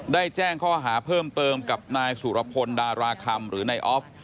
แจ้งข้อหาเพิ่มเติมกับนายสุรพลดาราคำหรือนายออฟ